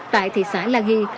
tại thị xã la ghi